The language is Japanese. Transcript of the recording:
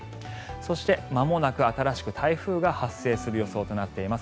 そしてまもなく新しく台風が発生する予想となっています。